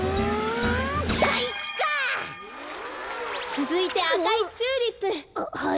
つづいてあかいチューリップ。ははい。